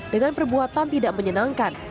dengan perbuatan tidak menyenangkan